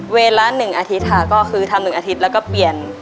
ละ๑อาทิตย์ค่ะก็คือทำ๑อาทิตย์แล้วก็เปลี่ยน